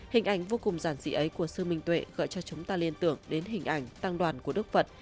hình ảnh vô cùng giản dị ấy của sư minh tuệ gọi cho chúng ta liên tưởng đến hình ảnh tăng đoàn của đức phật